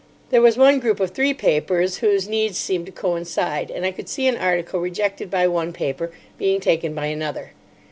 There was one group of three papers whose needs seemed to coincide, and I could see an article rejected by one paper being taken by another.